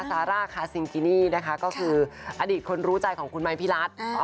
ซาร่าคาซิงกินี่นะคะก็คืออดีตคนรู้ใจของคุณไม้พี่รัฐ